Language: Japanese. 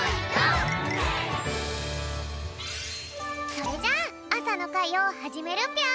それじゃあさのかいをはじめるぴょん。